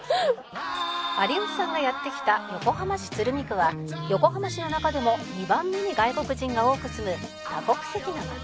「有吉さんがやって来た横浜市鶴見区は横浜市の中でも２番目に外国人が多く住む多国籍な街」